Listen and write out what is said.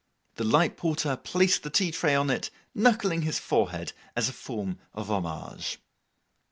The light porter placed the tea tray on it, knuckling his forehead as a form of homage.